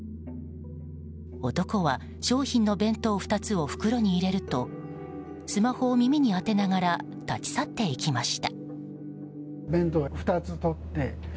男は商品の弁当２つを袋に入れるとスマホを耳に当てながら立ち去っていきました。